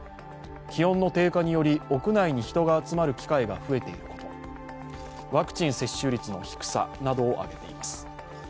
気温の低下により屋内に人が集まる機会が増えていること、ワクチン接種率の低さなどを挙げています。